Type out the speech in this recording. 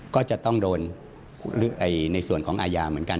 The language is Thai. ก็จะต้องโดนในส่วนของอาญาเหมือนกัน